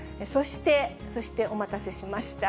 そしてお待たせしました。